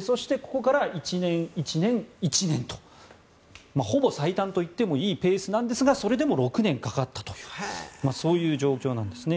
そして、ここから１年、１年、１年とほぼ最短といってもいいペースなんですがそれでも６年かかったとそういう状況なんですね。